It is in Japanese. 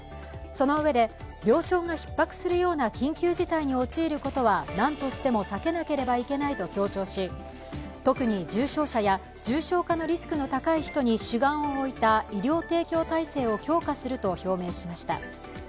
そのうえで、病床がひっ迫するような緊急事態に陥ることはなんとしても避けなければいけないと強調し、特に重症者や重症化のリスクの高い人に主眼を置いた医療提供体制を強化すると表明しました。